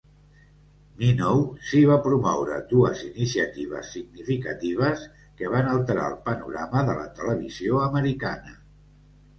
Minow sí va promoure dues iniciatives significatives que van alterar el panorama de la televisió americana.